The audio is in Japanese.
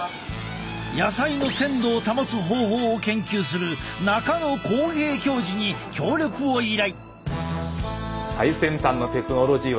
野菜の鮮度を保つ方法を研究する中野浩平教授に協力を依頼。